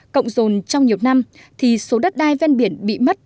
cộng dồn trong nhiều năm thì số đất đai ven biển bị mất